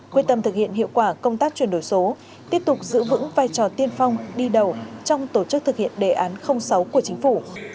quyết tâm thực hiện hiệu quả công tác chuyển đổi số tiếp tục giữ vững vai trò tiên phong đi đầu trong tổ chức thực hiện đề án sáu của chính phủ